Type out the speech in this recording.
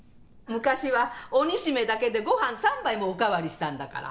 昔はお煮しめだけでご飯３杯もお代わりしたんだから。